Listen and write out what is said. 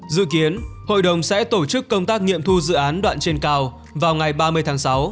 dự kiến hội đồng sẽ tổ chức công tác nghiệm thu dự án đoạn trên cao vào ngày ba mươi tháng sáu